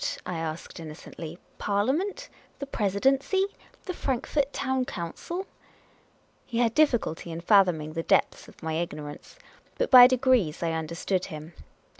I asked, innocently. "Parliament? The Presidency ? The Frankfort Town Council ?" He had difficulty in fathoming the depths of my ignorance. But by degrees I understood him.